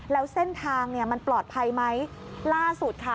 แล้วเส้นทางเนี่ยมันปลอดภัยไหมล่าสุดค่ะ